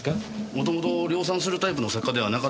もともと量産するタイプの作家ではなかったですし